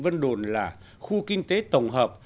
vân đồn là khu kinh tế tổng hợp